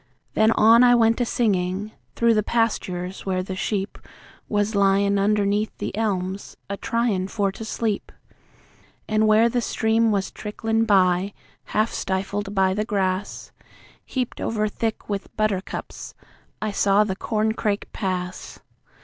Then on I went a singin', through the pastures where the sheep Was lyin' underneath the elms, a tryin' for to sleep. An' where the stream was tricklin' by, half stifled by the grass, Heaped over thick with buttercups, I saw the corncrake pass.